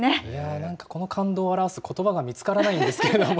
なんかこの感動を表すことばが見つからないんですけれども。